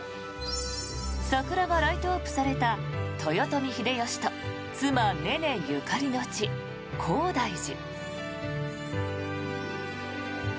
桜がライトアップされた豊臣秀吉と妻・ねねゆかりの地、高台寺。